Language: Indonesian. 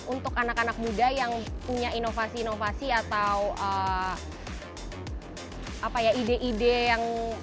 untuk anak anak muda yang punya inovasi inovasi atau ide ide yang